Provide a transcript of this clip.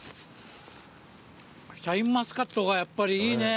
シャインマスカットがやっぱりいいね。